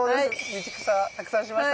道草たくさんしました。